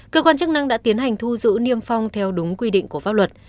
cơ quan chức năng đã tiến hành thu giữ niêm phong theo đúng quy định của pháp luật